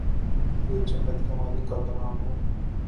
یہ جنت کے مالک کا کلام ہے